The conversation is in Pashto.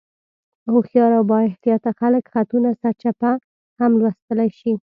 هوښیار او بااحتیاطه خلک خطونه سرچپه هم لوستلی شي.